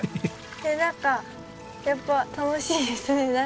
なんかやっぱ楽しいですね。